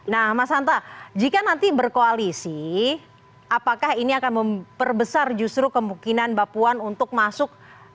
nah mas hanta jika nanti berkoalisi apakah ini akan memperbesar justru kemungkinan mbak puan untuk masuk